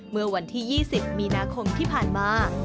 เมื่อวันที่๒๐มีนาคมที่ผ่านมา